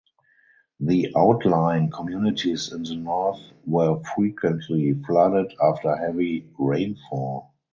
The outlying communities in the north were frequently flooded after heavy rainfall.